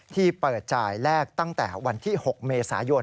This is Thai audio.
ที่เปิดจ่ายแลกตั้งแต่วันที่๖เมษายน